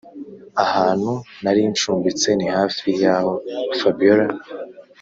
ahantu narincumbitse nihafi yaho fabiora